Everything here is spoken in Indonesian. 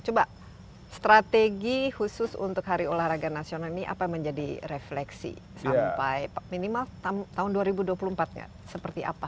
coba strategi khusus untuk hari olahraga nasional ini apa yang menjadi refleksi sampai minimal tahun dua ribu dua puluh empat nya seperti apa